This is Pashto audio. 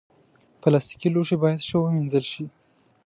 پلاستيکي لوښي باید ښه ومینځل شي.